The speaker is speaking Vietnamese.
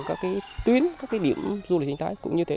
các tuyến các điểm du lịch sinh thái